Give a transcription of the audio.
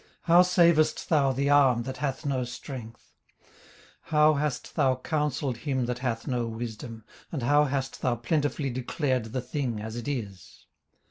how savest thou the arm that hath no strength? 18:026:003 How hast thou counselled him that hath no wisdom? and how hast thou plentifully declared the thing as it is?